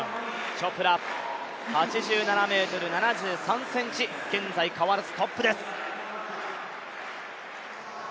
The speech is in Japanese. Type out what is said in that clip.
チョプラ８７ｍ７３ｃｍ、現在変わらずトップです。